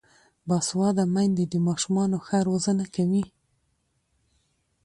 باسواده میندې د ماشومانو ښه روزنه کوي.